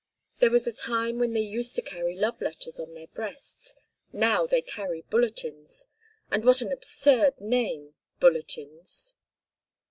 There was a time when they used to carry love letters on their breasts—now they carry bulletins. And what an absurd name—bulletins."